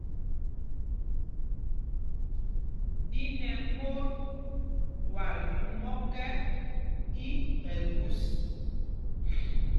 Ɗín ɛ̄ mót twal ɗūm ɔ́kɛ, í Ɛgūs.